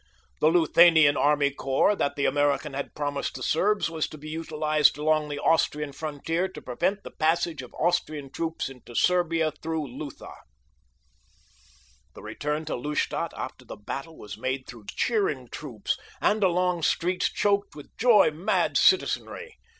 The Luthanian army corps that the American had promised the Serbs was to be utilized along the Austrian frontier to prevent the passage of Austrian troops into Serbia through Lutha. The return to Lustadt after the battle was made through cheering troops and along streets choked with joy mad citizenry.